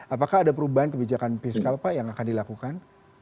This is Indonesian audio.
apakah ada perubahan kebijakan fiskal pak yang akan dilakukan